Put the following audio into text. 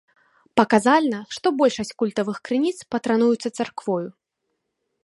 Паказальна, што большасць культавых крыніц патрануюцца царквою.